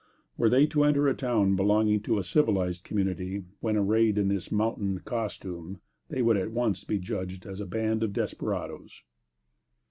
Were they to enter a town belonging to a civilized community, when arrayed in this mountain costume, they would be at once judged as a band of desperadoes.